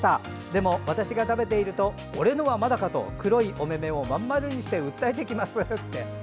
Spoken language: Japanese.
でも、私が食べていると「俺のはまだか？」と黒いおめめをまん丸にして訴えてきます。